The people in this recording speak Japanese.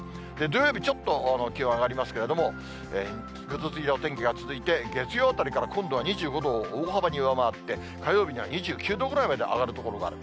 土曜日、ちょっと気温上がりますけれども、ぐずついたお天気が続いて、月曜あたりから今度は２５度を大幅に上回って、火曜日には２９度ぐらいまで上がる所がある。